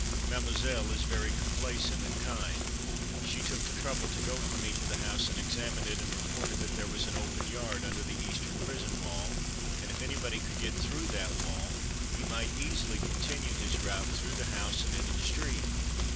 Mademoiselle is very complacent and kind. She took the trouble to go for me to the house and examine it, and reported that there was an open yard under the eastern prison wall, and if anybody could get through that wall he might easily continue his route through the house and into the street.